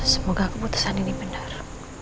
semoga keputusan ini benar